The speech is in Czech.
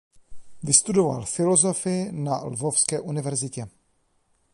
Vystudoval filozofii na Lvovské univerzitě.